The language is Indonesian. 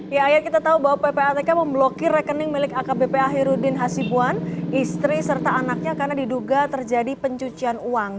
ya ayah kita tahu bahwa ppatk memblokir rekening milik akbp ahirudin hasibuan istri serta anaknya karena diduga terjadi pencucian uang